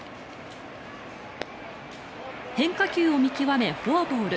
変化球を見極めフォアボール。